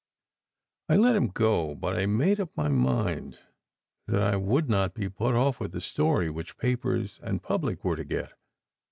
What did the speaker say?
I let him go, but I made up my mind that I would not be put off with the story which papers and public were to get.